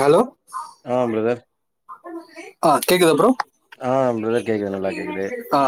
Hello அ brother அ கேக்குதா ப்ரோ ஆ பிரதர் கேக்குது நல்லா கேக்குது ஆ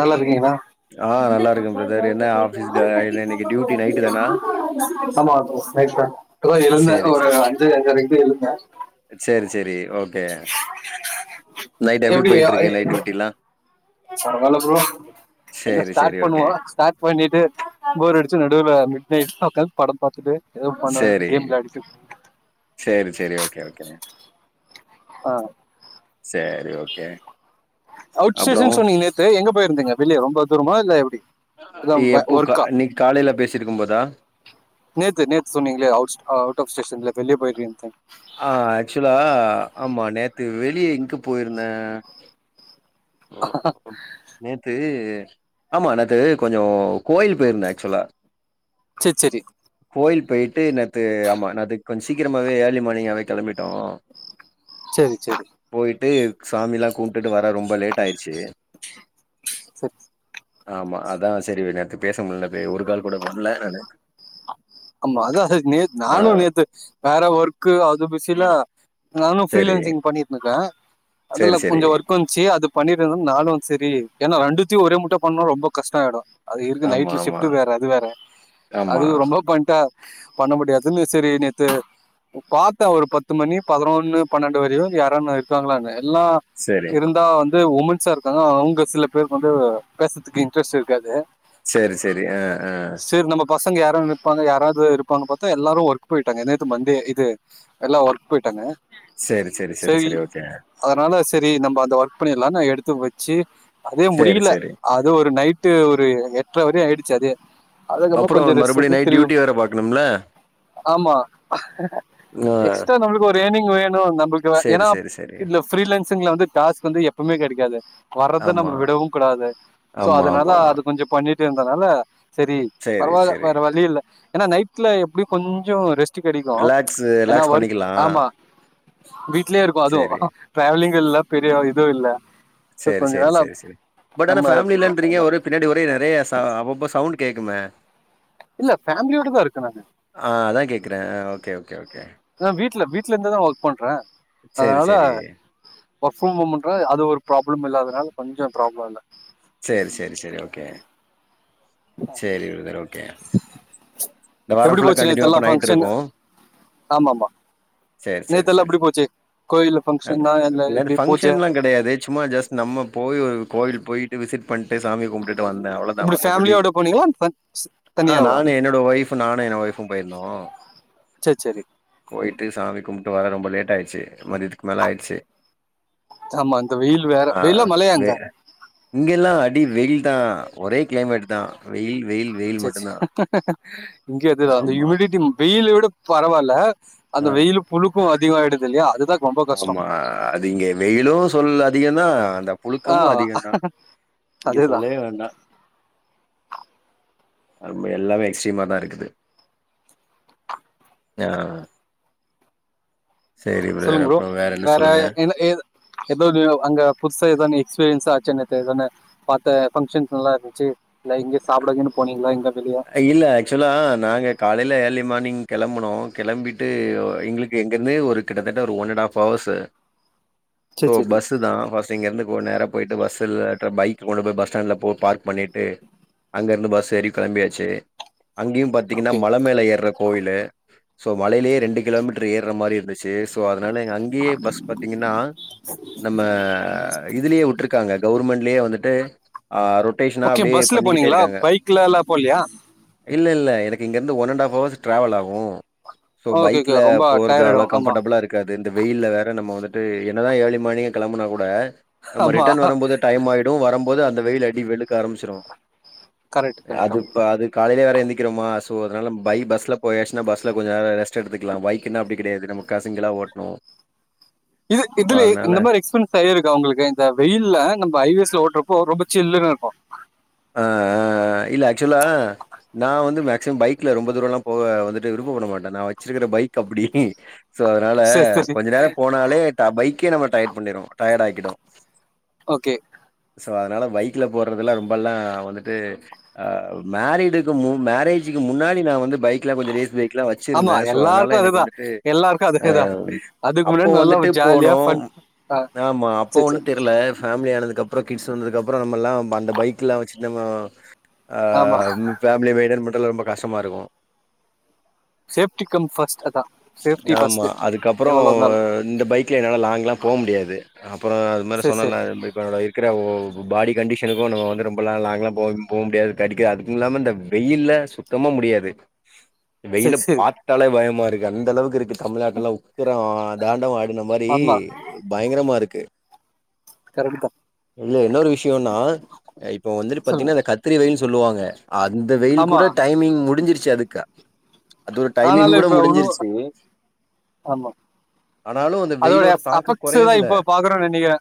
நல்லாருக்கீங்ளா ஆ நல்லா இருக்கே பிரதர் என்ன ஆஃபீஸ் டே என்ன இன்னைக்கு டியூட்டி நைட்டு தானா ஆமா ப்ரோ நைஸ்டா இப்பதா எழுந்தே சேரி ஒரு சேரி அஞ்சு அஞ்சரைக்கு எழுந்தே சேரி சேரி ஓகே நைட் எப்டி போய்ட்டு இருக்கு நைட் டூடில்லா பரவால ப்ரோ என்ன சேரி ஸ்டாட் சேரி ஓகே பண்ணுவோ ஸ்டாட் பண்ணிட்டு போர் அடுச்சா நடூல மிட் நைட்ல உக்காந்து படோ பாத்துட்டு சேரி சேரி சேரி ஓகே ஓகே அ சேரி ஓகே அப்றோ அவுட்ஸ்டேஷன் சொன்னீங்க நேத்து எங்க போயிருந்தீங்க வெளிய ரொம்ப தூரமா இல்ல எப்டி எப்போ கா இன்னிக் காலேல பேசிருக்கும் போதா நேத்து நேத்து சொன்னீங்களே அவுட்ஸ் அவுட் ஆஃப் ஸ்டேஷன்ல வெளிய போய்ர்கீங்தன் ஆ ஆக்சுவலா ஆமா நேத்து வெளிய எங்க போயிருந்த ஆ [unintelligible] நேத்து ஆமா நேத்து கொஞ்சோ கோயில் போயிருந்த ஆக்சுவலா சரி சரி கோயில் போயிட்டு நேத்து ஆமா நேத்துக்கு கொஞ்ச சீக்ரமாவே ஏர்லி மார்னிங்காவே கிளம்பிட்டோ செரி செரி போயிட்டு சாமி எல்லா கும்டுட்டு வர ரொம்ப லேட் ஆயிருச்சு சரி ஆமா அதா செரி நேத்து பேச முடில பே ஒரு கால் கூட பண்ல நானு ஆமா அதா நேத் ஆ நானு நேத்து வேற ஒர்க் அது பிசில நானு ஃப்ரீ சரி, லான்சிங் பண்ணிட்ருக்கன் அதுல சரி, சரி. கொஞ்ச ஒர்க் வந் ச்சே அது பண்ணிருலா நானும் செரி ஏன்னா ரெண்டுத்துயு ஒரே முட்ட பண்ணா ரொம்ப கஷ்ட ஆயிடு அது இருக்கு ஆமா, நைட்ல ஆமா, ஷிப்ட்டு வேற அது வேற ஆமா. அது ரொம்ப கா பண்ண முடியாதுனு செரி நேத்து பாத்த ஒரு பத்து மணி பதினொன்னு பன்னெண்டு வரயு யாரன்ன இருக்காங்களான்னு எல்லா சரி, இருந்தா வந்து உமன்ஸா இருக்காங்க அவங்க சில பேர்க்கு வந்து பேசற்துக்கு இன்ட்ரெஸ்ட் இருக்காது செரி செரி ஆ ஆ சேரி நம்ம பசங்க யாரும் இருப்பாங்க யாராவ்து இருப்பாங்க பாத்தா எல்லாரும் ஒர்க் போயிட்டாங்க நேத்தி மண்டே இது எல்லாம் ஒர்க் போய்ட்டாங்க சரி சரி சரி சரி ஓகே அதுனால சரி நம்ம அந்த ஒர்க் பன்னிரலாம்னு நான் எடுத்து வச்சு அதே சரி, முடியல சரி. அது ஒரு நைட்டு ஒரு எட்ர வரையு ஆய்டுச்சு அதே அதுக்கப்பரோ கொஞ்சம் அப்புறம் ரெஸ்ட் மறுபடியும் எடுத் நைட் தெரியு டியூட்டி வேற பாக்கணும்ல? ஆமா ஆ. எக்ஸ்ட்ரா நம்மளுக்கு ஒரு ஏனிங் வேணும் நம்மளுக்கு சரி, ஏன்னா சரி, சரி. இந்த ஃப்ரீலான்சிங்ல வந்து டாஸ்க் வந்து எப்பவுமே கிடைக்காது வர்ரத ஆமா, நம்ம விடவும் கூடாது சோ ஆமா, அதுனால ஆமா. அத கொஞ்சம் பண்ணிட் டே இருக்கறதால செரி சரி, பரவால்ல சரி. வேற வலியில்ல ஏன்னா நைட்ல எப்படி கொஞ்சோ ரெஸ்ட் கெடைக்கும் ரிலாக்ஸ் ஏன்னா ரிலாக்ஸ் ஒர்க் பண்ணிக்கலாம். ஆமா வீட்லயே இருக்கு சரி. அதுவு ஃபேமிலிங்ல பெரிய இதுவும் இல்ல சோ செரி கொஞ்ச செரி நாள் செரி அப்- செரி பட் ஆனா நம்ம எடுத்துக்கலா அது ஃபேமிலன்ரிங்க மாரி ஒரு பின்னாடி ஒரே நெறைய ச அப்பப்போ சவுண்ட் கேக்குமே இல்ல ஃபேமிலியோட தா இருக்கே நானு ஆ அதான் கேக்குரே ஓகே ஓகே ஓகே ஆ வீட்ல வீட்ல இருந்துதா ஒர்க் பண்ரே சரி, அதனால சரி. ஒர்க் ஃப்ரம் ஹோம்ன்ர அது ஒரு ப்ராளம் அதுனால கொஞ்சோ ப்ராபுளம் இல்ல செரி செரி செரி ஓகே செரி ப்ரதர் ஓகே இந்த வார எப்டி ஃபுல்லா போச்சு கண்டினியூ ஆ நேத்தெல்லா பண்ணா நைட்டு ஃபங்க்ஷன் இருக்கு ஆமாமா செரி செரி நேத்தெல்லா எப்டி செரி போச்சு கோயில்ல அதா ஃபங்க்ஷன்னா அதா இல்ல நேனு எப்டி பூஜ ஃபங்க்ஷன்ல்லா கெடையாது சும்மா ஜஸ் நம்ப போய் ஒரு கோவில் போயிட்டு விசிட் பண்ணிட்டு சாமி கும்டுட்டு வந்தன் அவ்வளதான் மத்தபடி போனிங்ளா ஃப்ரண்ட் ஸ் ஆ நானும் என்னோட ஒய்ஃபு நானு என்னோ ஒய்ஃபும் போயிருந்தோம் சேரி சேரி போயிட்டு சாமிகும்ப்ட்டு வர ரொம்ப லேட் ஆயிச்சு மதியத்துக்கு மேல ஆய்டுச்சு ஆமா இந்த வெயில் வேற ஆ வெயிலா மழையா வே அங்க இங்கெல்லாம் அடி வெயில் தான் ஒரே கிளைமேட் தான் வெயில் வெயில் வெயில் சேச்சே மட்டுந்தா இங்க அதேதா அந்த ஆமா யூமிடிட்டி வெயில விட பரவாயில்ல அந்த ஆ வெயிலு புழுக்கோ அதிகோ ஆயிடுதுல்யா அதுதா ரொம்ப கஷ்டோ ஆமா அது இங்க வெயிலும் சொல் அதிகம் தா அந்த ஆ புழுக்கமு அதிக தான் இது அதேதா சொல்லவே வேண்டா ஆமா எல்லாமே எக்ஸ்ட்ரீமா தான் இருக்குது யா சொல்லுங்க ப்ரோ என்ன வேற சொல்லுங்க என்ன ஏது ஏதோ அங்க புதுசா எதா எக்ஸ்பீரியன்ஸ் ஆச்ச இதான பாத்த பங்க்ஷன்ஸ் நல்லா இருந்துச்சு இல்ல இங்க சாப்பிடகின்னு போனீங்களா இங்க வெளிய இல்ல ஆக்சுவலா நாங்க காலையில ஏர்லி மார்னிங் கெளம்பனோம் கெளம்பிட்டு எங்களுக்கு இங்கருந்து ஒரு கிட்ட தட்ட ஒரு one and half hours chair so சேரி பஸ்சு தா ஃப ஸ்ட்டு இங்க இருந்து கோ நேர போயிட்டு பஸ்ல பைக் கொண்டு போய் பஸ்ஸ்டேண்ட்ல போ பார்க் பண்ணிட்டு அங்கருந்து பஸ் ஏறி கெளம்பியாச்சு அங்கியும் பாத்தீங்கனா ஓகே மல மேல ஏற்ற கோயிலு சோ மலயிலயே ரெண்டு கிலோமீட்டர் ஏறுற மாரி இருந்துச்சு சோ அதனால அங்கேயே பஸ் பாத்தீங்கனா நம்ம இதுலயே வுட்ருக்காங்க கவர்மெண்ட்லயே வந்துட்டு அ ரொட்டேஷனா ஓகே அப்டியே பஸ்ல பண்ணிக்கிட்டே போனீங்களா இருக்காங்க. பைக்லல்லா போலயா இல்ல இல்ல எனக்கு இங்கிருந்து one and half hours travel ஆகும் சோ ஓகே பைக்ல ஓகே ரொம்ப போறது டயர்ட் ஆயிடு அவ்ளோ ஆமா கம்ஃபர்டபுளா இருக் க்காது இந்த வெயில்ல வேற நம்ம வந்துட்டு என்னதா ஏர்லி மார்னிங் கெளம்புனா கூட நம்ம ஆமா ரிட்டர்ன் வரும்போது டைம் ஆயிடு வரும் போது அந்த வெயில் அடி வெளுக்க ஆரமிச்சிரும் கரெக்ட் கரெக்ட் அது ஆமா இப்ப அது காலையில வேற எந்திக்ரோமா ஸோ அதனால பை பஸ்ல போயாச்சுனா பஸ்ல கொஞ்ச நேர ரெஸ்ட் எடுத்துக்கலா பைக்குனா அப்டி கெடயாது நமக் கா சிங்களா ஓட்னு இது இதுலே இந்த மாரி எக்ஸ்பென்ஸ் ஸா இருக்க உங்களுக்கு இந்த வெயில்ல நம்ப ஹைவேஸ்ல ஓட்றப்போ ரொம்ப சில்லுன்னு இருக்குன் ஆ ஆ ஆ இல்ல ஆக்ச்சுலா நா வந்து மேக்சிமம் பைக்ல ரொம்ப தூரோலா போவ வந்துட்டு விருப்ப பட மாட்டே நா வச்சிருக்கிற பைக் அப்பிடி ஸோ அதனால சரி சரி கொஞ்ச நேரம் போனாலே தா பைக்கே நம்ம டையட் பண்ணிரும் டயர்டு ஆக்கிடும் ஓகே ஸோ அதனால பைக்ல போறதுல்லா ரொம் பலா வந்துட்டு அ மேரிடுக்கு மு மேரேஜ்க்கு முன்னாடி நா வந்து பைக் ட்ல கொஞ்சோ ரேஸ் பைக்லா ஆமா வச்சிருந்தேன் ஸோ அதனால எல்லாருக்கும் எனக் அதுதான் வந்துட்டு எல்லாருக்கும் அ அதுதான் அதுக்கு அப்போ முன்னாடி நல்லா வந்துட்டு ஜாலியா போனோம் ஃபன் ஆமா அப்போ சரி ஒண்ணு சரி தெரில ஃபேமிலி ஆனதுக்கு அப்புறம் கிட்ஸ் வந்ததுக்கப்றோ நம்மல்லாம் அந்த பைக்குலா வச்சிட்டு நம்ம அ ஆமா ம் ஃபேமிலிய மென்ட்டெயின் பன்றதுல ரொம்ப கஷ்டமா இருக்கும் செஃப்டிக்கம் பஸ்ட் அதா ஆமா அதுக்கப்புறோ இந்த பைக்ல என்னால லாங்ல்லா போ முடியாது அப்புறோ அதுமாரி சரி சொன்னன்ல சரி இப்ப நா இருக்குற ப பாடி கண்டிஷனுக்கும் நம்ம வந்து நா லாங்களா போ போ முடியாது கடிக்கி அது இல்லாம இந்த வெயில சுத்தமா முடியாது வெயில சரி சரி பாத்தாலே பயமா இருக்கு அந்த அளவுக்கு தமிழ்நாடுலாம் ருத்றோ தாண்டவம் ஆடுன மாரி ஆமா பயங்கரமா இருக்கு கரெக்ட் தான் இல்ல இன்னொரு விஷயம்னா அ இப்போ வந்துட்டு சொல்லுங்க பாத்தீங்கன்னா இந்த கத் கத்ரி வெயில்னு சொல்லுவாங்க அந்த வெயில் ஆமா கூட டைமிங் முடிஞ்சிருச்சு அதுக்கா அது ஒரு டைமிங் ஆனாலும் கூட இப்ப ஒன்னும் முடிஞ்சிருச்சு ஆமா ஆனாலும் அந்த அதோட வெயிலோட எஃப் தாக்கம் அஃபெக்ட்ஸ் தா குறையும்ல இப்போ பாக்குறோம்னு நெனைக்கிறே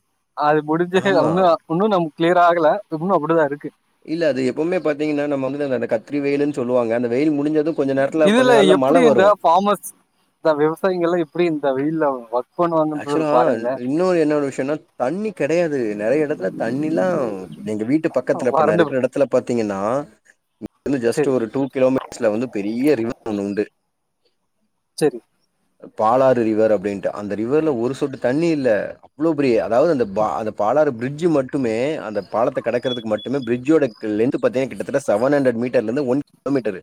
அது முடிஞ்சு ஆமா ஒன்னு உன்னு நம் கிளியர் ஆகல இன்னு அப்படிதா இருக்கு இல்ல அது எப்பவுமே பாத்தீங்கன்னா நம்ம வந்து அ அந்த கத்திரி வெய்யில்ன்னு சொல்லுவாங்க அந்த வெயில் முடிஞ்சது கொஞ்ச நேரத்துல கொஞ்ச நாள்ல மழ வரு இந்தா விவசாயிங்கல்லா எப்டி இந்த வெயில்ல ஒர்க் பண்ணுவாங்கன்றதுல பாருங்களே இன்னோரு என்ன ஒரு விஷியனா தண்ணி கெடையாது நெறைய எடத்துல தண்ணில்லா எங்க வீட்டு பக்கத்துல இப்ப நா வறண்டு ருக்கிற எடத்துல பாத்தீங்கன்னா [inaudible] ஜஸ்ட்டு சரி ஒரு டூ கிலோமீ ஆக்சுவலா வந்து பெரிய ரிவ [inaudible] ஒண்ணு உண்டு செரி பாலாறு ரிவர் அப்டின்ட்டு அந்த ரிவர்ல ஒரு சொட்டு தண்ணி இல்ல இவ்ளோ பெரிய அதாவது அந்த பா அந்த பாலாறு பிரிட்ஜ்ஜு மட்டுமே அந்த பாலத்த கடக்கறதுக்கு மட்டுமே பிரிட்ஜோட க்க லென்த்து பாத்தீங்னா கிட்டத்தட்ட செவன் ஹண்ட்ரட் மீட்டர்லிருந்து ஒன் [inaudible] மீட்டர்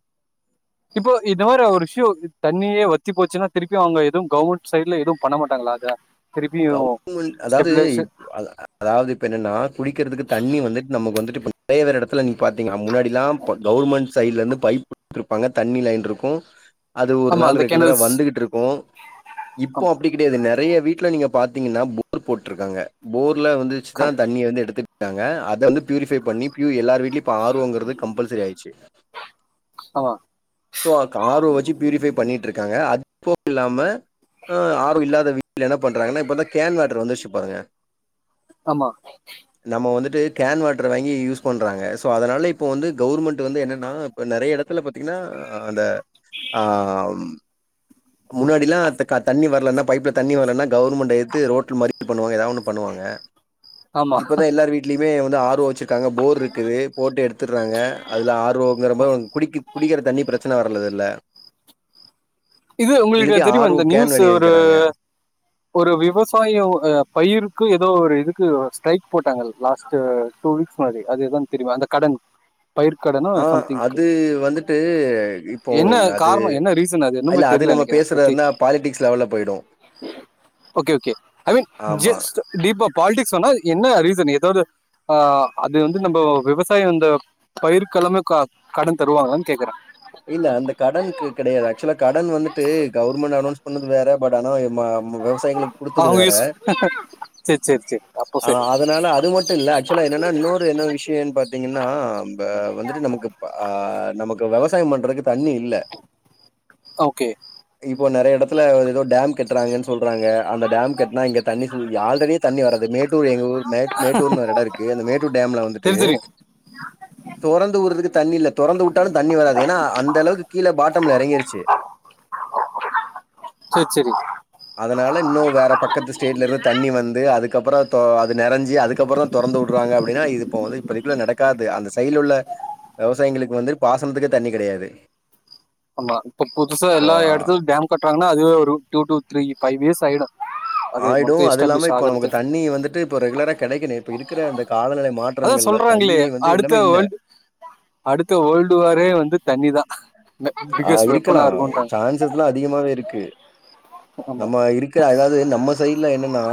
இப்போ இதோ ஒரு விஷயோ தண்ணியே வத்தி போச்சுன்னா திருப்பி அவுங்க எதுவு கவுமெண்ட் சைடுல எதுவு பண்ண மாட்டாங்களா அத திருப்பியு அதாவது ஸ்டெப்லேசர் இப்ப- அத- அதாவது இப்ப என்னன்னா குடிக்கிறதுக்கு தண்ணி வந்துட்டு நம்ம வந்துட்டு [inaudible] நெறைய வேற எடத்துல நீங் பாத்தீங்னா முன்னாடிலா ப கவுர்மெண்ட் சைடுல இருந்து பைப் [inaudible] ருப்பாங்க தண்ணி லைன் ருக்கூ அது ஒரு ஆமா நாள் அந்த ரெகுலரா கேனல்ஸ் வந்துகிட்ருக்கூ இப்போ ஆமா அப்டி கெடையாது நெறைய வீட்ல நீங்க பாத்தீங்கன்னா போர் போட்ருக்காங்க போர்ல வந்துச்சு தா கரெக்ட் தண்ணிய வந்து எடுத்துட்டு க்காங்க அத வந்து பியூரிஃபை பண்ணி பியூ எல்லார் வீட்லயு இப்போ ஆர்வோங்கிறது கம்ப்பல்சரி ஆயிச்சு ஆமா ஸோ காரோவை வச்சு பியூரிஃபை பண்ணிட்ருக்காங்க அதுப்போக இல்லாம ஆ ஆரோவ் இல்லாத வீட்ல என்ன பண்றாங்கன்னா இப்பதா கேன் வாட்ரு வந்துச்சு பாருங்க ஆமா நம்ம வந்துட்டு கேன் வாட்டர் வாங்கி யூஸ் பண்றாங்க சோ அதனால இப்போ வந்து கவுவர்மெண்ட்டு வந்து என்னன்னா இப்ப நெறைய எடத் இத்துல பாத்தீங்கன்னா அந்த ஆம் முன்னாடிலா தக்க தண்ணி வரலன்னா பைப்ல தண்ணி வரலன்னா கவர்மெண்ட்ட ஏத்து ரோட்ல மரிப்பு பன்னுவாங்க ஏதாது ஒன்னு பண்ணுவாங்க [inaudible] இப்பதா எல்லார் வீடலயுமே வந்து ஆர் ஓ வச்சு க்காங்க போர் இருக்குது போட்டு எடுத்துறாங்க அதுல ஆர்வோங்குற மாரி குடிக்கி குடிக்கிற தண்ணி பிரச் ச்சன வரலது இல்ல இது உங்களுக்கு இல்லாட்டி தெரியுமா ஆர் ஓ அந்த கேன் நியூஸ்சு வெளிய ஒரு விக்கிறாங்க ஒரு விவசாயோ அ பயிருக்கு ஏதோ ஒரு இதுக்கு ஸ்ட்ரைக் போட்டாங்கள் லாஸ்ட்டு ஃபுல்ஸ் மாரி அது எதும் தெரியுமா அந்த கடன் பயிர்க் கடன்னோ ஆ சம் திங்கு அது வந்துட்டு இப்போ என்ன அது காரண என்ன ரீசன் அது என்ன இல்ல தெர்ல நம்ம எனக்கு அத பேசுறது பத்தி இருந்தா பாலிடிக்ஸ் லெவல்ல போயிடும் ஓகே ஓகே ஐ மீன் ஆமா ஜஸ்ட் டீப்பா பாலிடிக்ஸ் வேன்னா என்ன ரீசன் ஏதாவது ஆ அது வந்து நம்ம விவசாய இந்த பயிர்கிழம க கடன் தருவாங்களானு கேக்குறே இல்ல அந்த கடனுக்கு கெடையாது ஆக்சுவலா கடன் வந்துட்டு கவர்மெண்ட் அனௌன்ஸ் பண்ணது வேற பட் ஆனா மா நம்ம விவசாயிகளுக்கு குடுத்தது வேற சேர் சேர் சேர் ஆ வ் அதனால அது மட்டோ இல்ல ஆக்ச்சுலா என்னன்னா இன்னொரு என்ன விஷியோனு பாத்தீங்கன்னா இப்ப வந்துட்டு நமக்கு ஆ நமக்கு வெவசாயம் பண்றதுக்கு தண்ணி இல் இல்ல ஓகே இப்போ நெறைய எடத்துல ஏதோ டேம் கட்டுறாங்கன்னு சொ சொல்றாங்க அந்த டேம் கட்னா இங்க தண்ணி ஃபுல் ஆல்ரெடி தண்ணி வராது மேட்டூர் எங்க ஊர் மே மேட்டூர்னு ஒரு இடோ இருக்கு அந்த மேட்டூர் டேம்ல வந்துட்டு சரி தெரியும் [unintelligible] தொறந்து ஊற்றதுக்கு தண்ணி இல்ல தொறந்து விட்டாலு தண்ணி வராது ஏன்னா அந்த அளவுக்கு கீழ பாட்டம்ல எறங்கிருச்சு சேரி சேரி அதனால இன்னு வேற பக்கத்து ஸ்டேட்ல இருந்து தண்ணி வந்து அதுக்கப்புறோ இப்போ அது நெரஞ்சி அதுக்கப்புறோ தா தொறந்து விடுறாங்க அப்படின்னா இது இப்ப வந்து இப்பதைக்குள்ள நடக்காத்து அந்த சைடுல்ல உள்ள விவசாயிங்களுக்கு வந்து பாசனத்துக்கே தண்ணி கேடையாது ஆமா இப்ப புதுசா எல்லா இடத்துலு டேம் கட்டுறாங்கன்னா அது ஒரு two two three five years ஆயிடு ஆயிடு அது இல்லாம இப்ப நமக்கு தண்ணி வந்துட்டு இப்ப ரெகுலரா கடைக்கணு இப்ப இருக்கிற இந்த காலநில மாற் அதா சொல்றாங்களே அடுத்த வேல்டு அடுத்த வேல்டு வாரே வந்து தண்ணிதா ஆ இருக்கலா சான்சஸ்ல்லா அதிகமாவே இருக்கு ஆமா நம்ம இருக்கு அதாது நம்ம சைட்ல என்னன்னா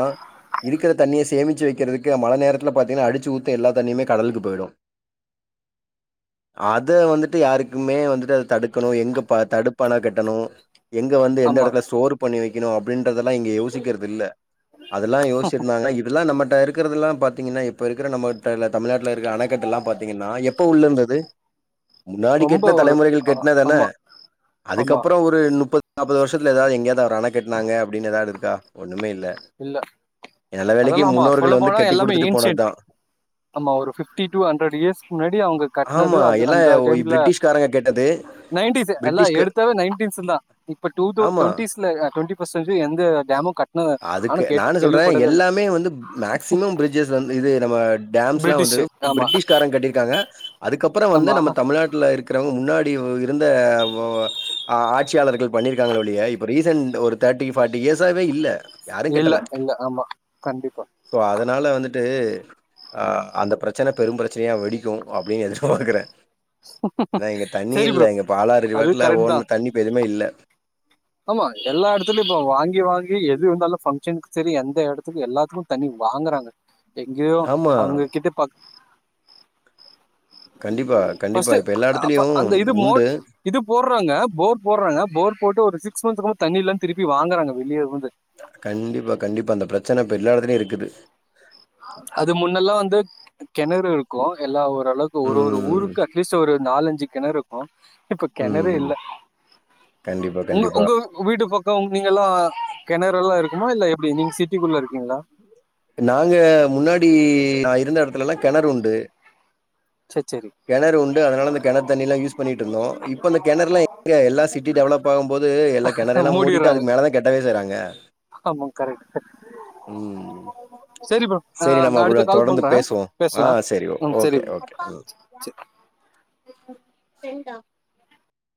இருக்கிற தண்ணிய சேமிச்சு வைக்குறதுக்கு மழ நேரத்துல பாத்தீங்கன்னா அடித்து ஊத்தி எல்லா தண்ணியும் கடலுக்கு போயிடும் [inaudible] அத வந்துட்டு யாருக்குமே வந்துட்டு அத தடுக்கணு எங்க ப தடுப்பன கட்டணு எங்க வந்து எந்த ஆமா எடத்துல ஸ்டோர் பண்ணி வெக்கணு அப்படின்றதெல்லா இங்க யோசிக்ககுறது இல்ல அதெல்லா யோசிச்சிருந்தாங்கான இப் எல்லா நம்மட்ட இருக்குறது எல்லா பாத்தீங்கன்னா இப்ப இருக்குற நம்மட்ட தமிழ்நாட்டுல இருக்குற அணக்கட்ட எல்லா பாத்தீங்கன்னா எப்ப உள்ள இருந்தது [inaudible] முன்னாடி ரொம்ப கெட்டுன ஒரு தலைமுறைகள் ஆ, கெட்டன தான ஆமா ஆமா அதுக்கப்புறோ ஒரு ஒரு முப்பத் நாற்பது வருஷத்துல ஏதாவது எங்கயாது அண கட்டுனாங்க அப்படின்னு ஏதாவது இருக்கா ஒண்ணுமே இல்ல நல்ல வேலைக்கு அதெல்லாம் ஆமா சொல்ல முன்னோர்கள் வந்து போனா கெட்டி எல்லாமே குடுத்துட்டு போனது ஏன்ஷியன்ட் தா ஆமா ஒரு பபிப்டி டு ஹண்ட்ரட் இயர்ஸ்கு முன்னாடி அவங்க கட்னது அது அந்த டைம்ல யாருங்க கேட்டது நைன்டிஸ் எல்லா பிரிட்டிஷ்க்கு எடுத்தவ நைன்டிஸ்சு தா இப்ப டூதவுஸ் ஆமா. டொண்டீஸ்ல இருக்காங்க டொண்டி இப்ப செஞ்சு எந்த டேமு கட்னதா அதுக்கு நா என்ன சொல்றே எல்லாமே வந்து மேக்சிமம் பிரிட்ஜஸ் வந்து இது நம்ம டேம்ஸ் எல்லா பிரிட்டிஷ் வந்து ஆமா பிரிட்டிஷ்கார கட்டியிருக்காங்க அதுக்கப்புறோ வந்து ஆமா நம்ம தமிழ்நாட்டுல இருக்கிறவங்க முன்னாடி இருந்த ஓ ஆட்சியாளர்கள் பண்ணிருக்காங்க ஒளிய இப்ப ரீசன்ட் ஒரு தேர்ட்டி ஃபார்டி இயர்ஸாவே இல்ல யாரும் இல்ல கட்டல. இல்ல ஆமா கண்டிப்பா சோ அதனால வந்துட்டு அ அந்த பிரச்சனை பெரும் பிரச்சனையா வெடிக்கு அப்படின்னு எதிர்பாக்கறே ஏன்னா இங்க தண்ணி சரி இல்ல ப்ரோ எங்க அது பாலாறுபாட்டுல கரெக்ட் தான் ஓடுன தண்ணி இப்ப எதுவுமே இல்ல ஆமா எல்லா எடத்துல இப்ப வாங்கி வாங்கி எது வந்தாலு பங்க்ஷன்க்கும் சரி எந்த இடத்துக்கும் எல்லாத்துக்கு தண்ணி வாங்குறாங்க எங்கேயோ ஆமா. அவங்ககிட்ட ப கண்டிப்பா, கண்டிப்பா. பஸ்ட்டு இப்ப எல்லா அப்ப இடத்துலயும் அந்த இது மோட் உண்டு. இது போடுறாங்க போர் போடுறாங்க போர் போட்டு ஒரு சிக்ஸ் மன்த் குள்ள தண்ணி இல்லனு திருப்பி வாங்குறாங்க வெளியே வந்து கண்டிப்பா கண்டிப்பா அந்த பிரச்சனை இப்ப எல்லா இடத்துலேயு இருக்குது அது முன்னெல்லா வந்து கிணறு இருக்கும் எல்லா ஓரளவுக்கு ஒரு ஒரு ம். ஊருக்கு அட்லீஸ் ஒரு நாலஞ்சு கிணறு இப்ப கிணறே ம். இல்ல கண்டிப்பா, உங்க கண்டிப்பா. உங்க உங்க வீட்டு பக்க நீங்களா கிணறு எல்லா இருக்குமா இல்ல எப்படி நீங்க சிட்டிக்குள்ள இருக்கீங்களா நாங்க முன்னாடி நா இருந்த இடத்துல எல்லா கிணறு உண்டு சரி சரி கணறு உண்டு அதனால அந்த கணத்து தண்ணி எல்லா யூஸ் பண்ணிட்டு இருந்தோ இப்ப அந்த கிணறுல்லா எங்க எல்லா சிட்டி டெவலப் ஆகு போது எல்லா கெணறு எல்லா மூடிட்டு மூடிடுறாங்க அதுக்கு மேல தா கெட்டவே செய்றாங்க ஆமா கரெட் ம் ம் சரி ப்ரோ நா நா அடுத்த கால் பண்ற பேசுவோ ஆ பேசலா சரி ம் சரி ஓகே ப்ரோ ஓகே ம் சரி [inaudible] எண்டா